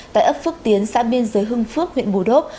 tại ấp phước tiến xã biên giới hưng phước huyện bù đốp